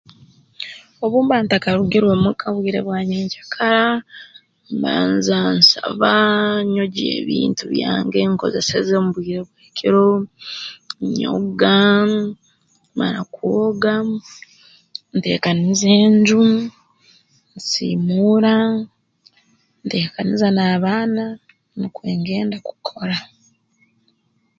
Obu mba ntakarugire omu ka mu bwire bwa nyenkyakara mbanza nsaba nyogya ebintu byange nkozeseze mu bwire bw'ekiro nyoga mmara kwoga nteekaniza enju nsiimuura nteekaniza n'abaana nukwo ngenda kukora